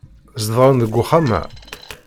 Zedɣen deg uxxam-a.